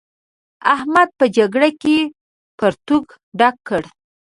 احمد په جګړه کې پرتوګ ډک کړ.